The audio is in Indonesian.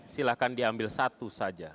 silahkan diambil satu saja